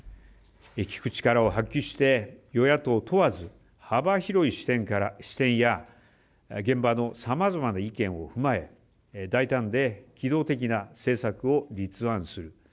聞く力を発揮して与野党問わず幅広い視点や現場のさまざまな意見を踏まえ大胆で機動的な政策を立案する。